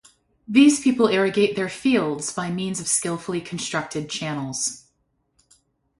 These people irrigate their fields by means of skillfully constructed channels.